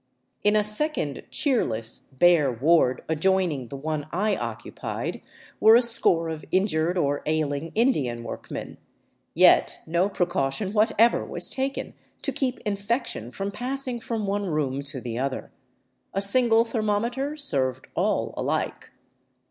In a second cheerless, bare ward adjoining the one I occupied were a score of injured or ailing Indian workmen; yet no precaution whatever was taken to keep infection from passing from one room to the other. A single thermometer served all alike.